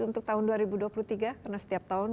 untuk tahun dua ribu dua puluh tiga karena setiap tahun